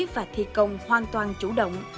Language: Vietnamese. và thi công hoàn toàn chủ động